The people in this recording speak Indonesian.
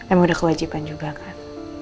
emang udah kewajiban juga kan